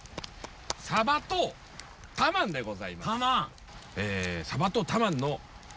サバとタマンでございます。